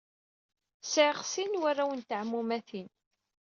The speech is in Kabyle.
Sɛiɣ sin n warraw n teɛmumatin.